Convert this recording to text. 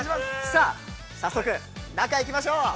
さあ早速中へ行きましょう。